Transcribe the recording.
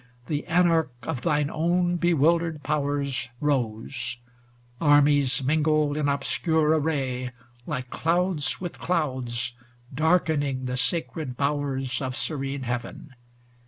The Anarch of thine own bewildered powers, Rose; armies mingled in obscure array, Like clouds with clouds, darkening the sacred bowers Of serene heaven.